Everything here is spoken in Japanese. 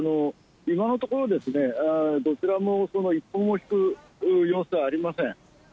今のところ、どちらも一歩も引く様子はありません。